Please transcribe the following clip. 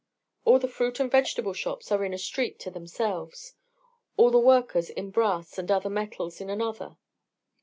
All the fruit and vegetable shops are in a street to themselves; all the workers in brass and other metals in another.